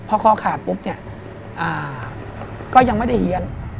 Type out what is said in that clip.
พอคอขาดปุ๊บเนี่ยก็ยังไม่ได้เฮียน